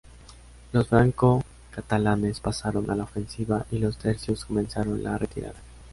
Los franco-catalanes pasaron a la ofensiva y los tercios comenzaron la retirada.